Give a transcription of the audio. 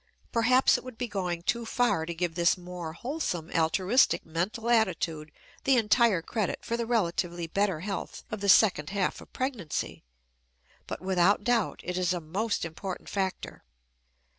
Perhaps it would be going too far to give this more wholesome altruistic mental attitude the entire credit for the relatively better health of the second half of pregnancy, but without doubt it is a most important factor.